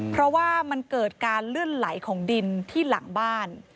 เพราะว่ามันเกิดการเลื่อนไหลของดินที่หลังบ้าน